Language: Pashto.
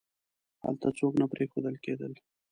هلته څوک نه پریښودل کېدل.